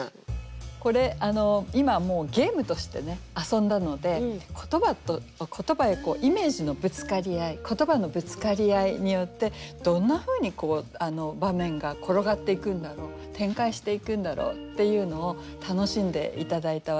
これ今もうゲームとして遊んだので言葉やイメージのぶつかり合い言葉のぶつかり合いによってどんなふうに場面が転がっていくんだろう展開していくんだろうっていうのを楽しんで頂いたわけなんですけれども。